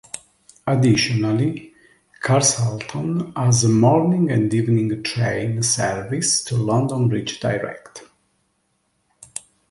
Additionally Carshalton has morning and evening train service to London Bridge direct.